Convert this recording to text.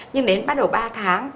nhưng đến bắt đầu ba tháng